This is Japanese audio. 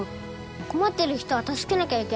困ってる人は助けなきゃいけないんだよ。